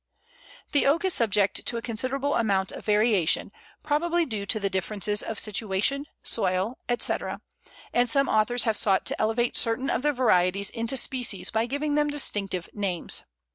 The Oak is subject to a considerable amount of variation, probably due to differences of situation, soil, etc., and some authors have sought to elevate certain of the varieties into species by giving them distinctive names.